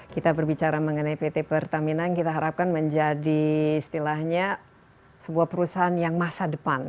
kita berbicara mengenai pt pertamina yang kita harapkan menjadi istilahnya sebuah perusahaan yang masa depan